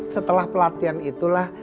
setelah pelatihan itulah